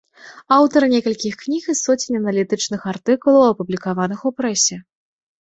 Аўтар некалькіх кніг і соцень аналітычных артыкулаў, апублікаваных у прэсе.